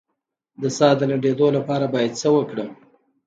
د ساه د لنډیدو لپاره باید څه وکړم؟